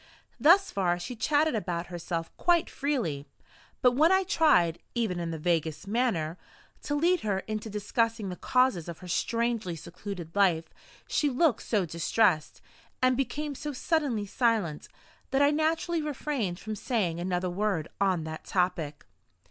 Thus far she chatted about herself quite freely; but when I tried, even in the vaguest manner, to lead her into discussing the causes of her strangely secluded life, she looked so distressed, and became so suddenly silent, that I naturally refrained from saying another word on that topic.